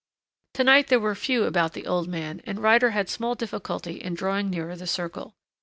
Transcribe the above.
To night there were few about the old man, and Ryder had small difficulty in drawing nearer the circle.